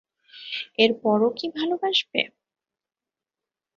এরপরও কি ভালোবাসবে?